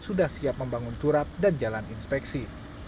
sudah siap membangun turap dan jalan inspeksi